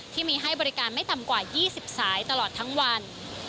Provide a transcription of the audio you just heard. ที่มีให้บริการไม่ต่ำกว่า๒๐สายตลอดทั้งวัน